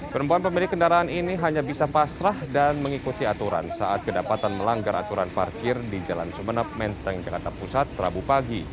perempuan pemilik kendaraan ini hanya bisa pasrah dan mengikuti aturan saat kedapatan melanggar aturan parkir di jalan sumeneb menteng jakarta pusat rabu pagi